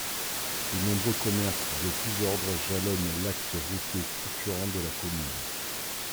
De nombreux commerces de tous ordres jalonnent l'axe routier structurant de la commune.